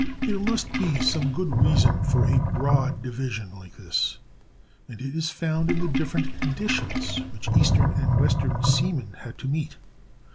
] There must be some good reason for a broad division like this, and it is found in the different conditions which eastern and western seamen had to meet.